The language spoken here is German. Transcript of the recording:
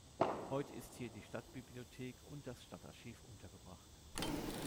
Heute ist hier die Stadtbibliothek und das Stadtarchiv untergebracht.